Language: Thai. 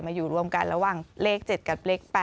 อยู่รวมกันระหว่างเลข๗กับเลข๘